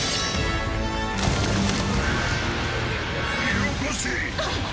よこせ！